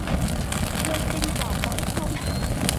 Đưa tinh vào cõi không.